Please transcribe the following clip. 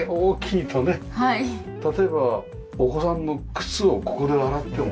例えばお子さんの靴をここで洗っても。